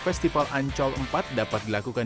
festival ancol empat dapat dilakukan